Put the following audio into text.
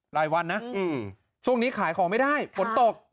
รายวันนะช่วงนี้ขายของไม่ได้ฝนตก